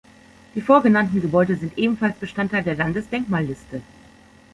Die vorgenannten Gebäude sind ebenfalls Bestandteil der Landesdenkmalliste.